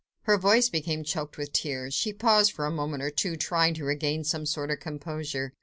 Her voice became choked with tears. She paused for a moment or two, trying to regain some sort of composure.